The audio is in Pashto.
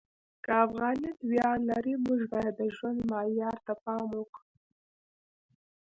که افغانیت ویاړ لري، موږ باید د ژوند معیار ته پام وکړو.